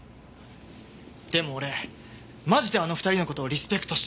でも俺マジであの２人の事リスペクトしてるんですよね。